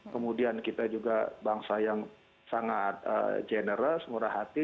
kemudian kita juga bangsa yang sangat generas murah hati